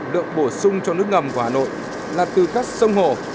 một trăm linh lượng bổ sung cho nước ngầm của hà nội là từ các sông hồ